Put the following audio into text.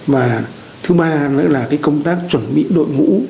và thứ ba là công tác chuẩn bị đội ngũ